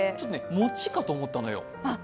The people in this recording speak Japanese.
餅かと思ったのよ。